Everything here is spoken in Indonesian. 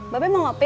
bapak mau kopi